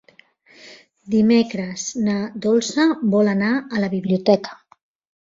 Dimecres na Dolça vol anar a la biblioteca.